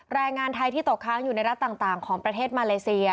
แรงงานไทยที่ตกค้างอยู่ในรัฐต่างของประเทศมาเลเซีย